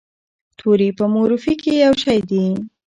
توري په مورفي کې یو شی دي.